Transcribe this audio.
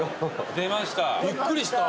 出ました。